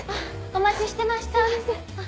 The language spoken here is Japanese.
お待ちしてました。